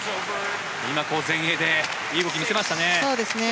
今、前衛でいい動きを見せましたね。